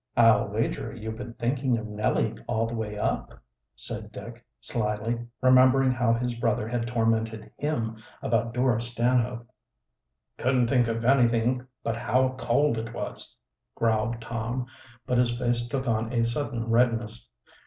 "I'll wager you've been thinking of Nellie all the way up," said Dick slyly, remembering how his brother had tormented him about Dora Stanhope. "Couldn't think of anything but how cold it was," growled Tom, but his face took on a sudden redness.